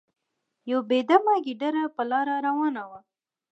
یو بې دمه ګیدړه په لاره روانه وه.